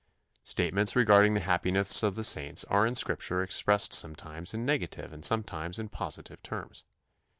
" Statements regarding the happiness of the saints are in Scripture expressed sometimes in negative and sometimes in positive terms.